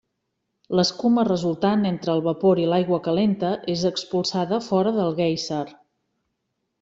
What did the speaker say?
L'escuma resultant entre el vapor i l'aigua calenta és expulsada fora del guèiser.